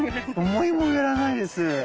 思いもよらないです。